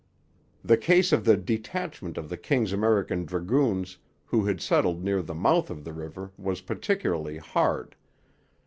The case of the detachment of the King's American Dragoons who had settled near the mouth of the river was particularly hard.